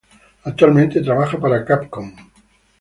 Actualmente trabaja para Capcom.